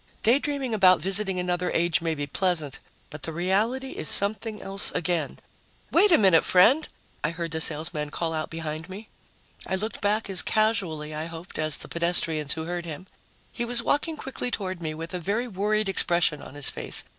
Daydreaming about visiting another age may be pleasant, but the reality is something else again. "Wait a minute, friend!" I heard the salesman call out behind me. I looked back as casually, I hoped, as the pedestrians who heard him. He was walking quickly toward me with a very worried expression on his face.